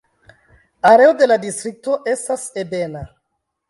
Areo de la distrikto estas ebena.